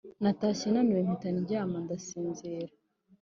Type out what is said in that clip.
Natashye naniwe mpita ryama ndasinzira